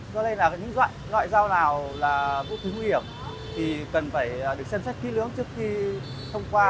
do đây là những loại dao nào là vũ khí nguy hiểm thì cần phải được xem xét kỹ lưỡng trước khi thông qua